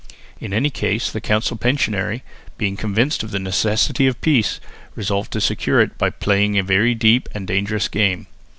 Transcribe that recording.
In any case the council pensionary, being convinced of the necessity of peace, resolved to secure it by playing a very deep and dangerous game.